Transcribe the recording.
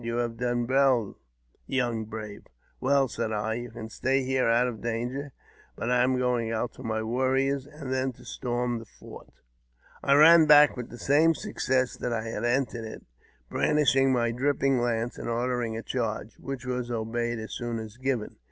You have done well, young brave !" \C^ JAMES P. BECKWOUBTH. 205 "Well," said I, "you can stay here out of danger ; but I am going out to my warriors, and then to storm the fort." I ran back with the same success that I had entered it, brandishing my dripping lance, and ordered a charge, which was obeyed as soon as given.